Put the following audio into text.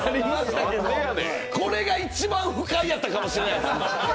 これが一番、不快やったかもしれない。